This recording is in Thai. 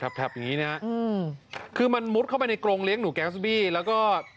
ขับอย่างนี้นะคือมันมุดเข้าไปในกรงเลี้ยงหนูแก๊กซูบี้แล้วก็